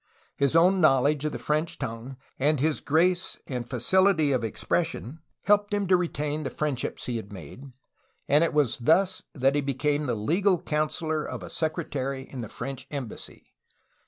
His own knowledge of the French tongue and his grace and facility of expression Jose de Galvez JOSfi DE GALVEZ 209 helped him to retain the friendships he had made, and it was thus that he became the legal councillor of a secretary in the French embassy.